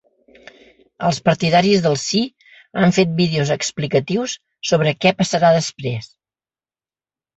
Els partidaris del ‘sí’ han fet vídeos explicatius sobre què passarà després.